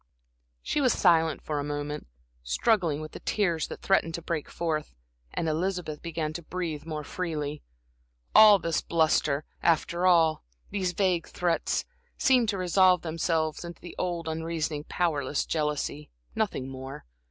She was silent for a moment, struggling with the tears that threatened to break forth, and Elizabeth began to breathe more freely. All this bluster, after all, these vague threats, seemed to resolve themselves into the old, unreasoning, powerless jealousy nothing more.